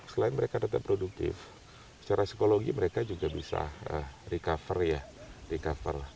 selain mereka tetap produktif secara psikologi mereka juga bisa recover ya recover lah